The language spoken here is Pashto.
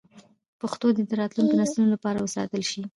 پښتو دې د راتلونکو نسلونو لپاره وساتل شي.